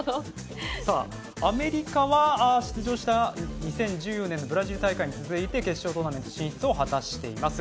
アメリカは出場した２０１４年のブラジル大会に続いて決勝トーナメント進出を果たしています。